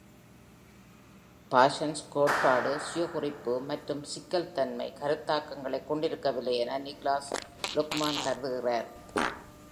Parsons கோட்பாடு, சுய-குறிப்பு மற்றும் சிக்கல்தன்மை கருத்தாக்கங்களைக் கொண்டிருக்கவில்லை என நிக்லாஸ் லுஹ்மான் கருதுகிறார்.